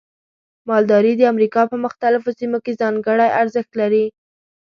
مالداري د امریکا په مختلفو سیمو کې ځانګړي ارزښت لري.